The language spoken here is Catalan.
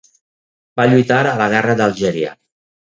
Va lluitar a la Guerra d'Algèria.